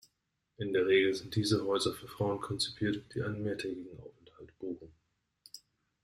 In der Regel sind diese Häuser für Frauen konzipiert, die einen mehrtägigen Aufenthalt buchen.